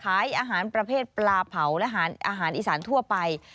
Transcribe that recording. ขายอาหารประเภทปลาเผาและอาหารอีสานทั่วไป